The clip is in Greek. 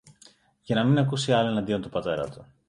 για να μην ακούσει άλλα εναντίον του πατέρα του.